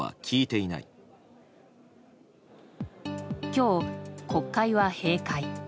今日、国会は閉会。